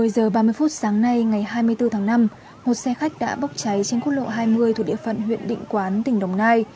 một mươi giờ ba mươi phút sáng nay ngày hai mươi bốn tháng năm một xe khách đã bốc cháy trên quốc lộ hai mươi thuộc địa phận huyện định quán tỉnh đồng nai